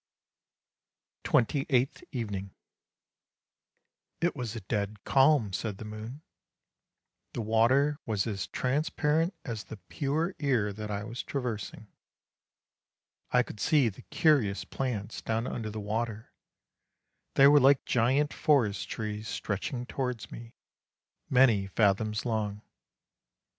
" TWENTY EIGHTH EVENING " It was a dead calm," said the moon; " the water was as transparent as the pure air that I was traversing. I could see the curious plants down under the water, they were like giant forest trees stretching towards me, many fathoms long.